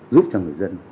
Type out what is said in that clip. giúp cho người dân